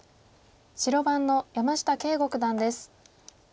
白番の山下敬吾九段です。